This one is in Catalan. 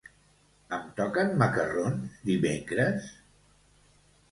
Em toquen macarrons dimecres?